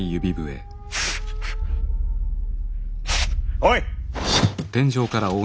おい！